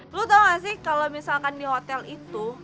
lu tau gak sih kalau misalkan di hotel itu